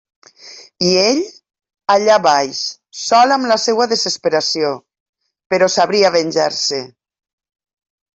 I ell... allà baix, sol amb la seua desesperació; però sabria venjar-se.